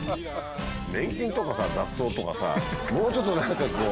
粘菌とか雑草とかもうちょっと何かこう。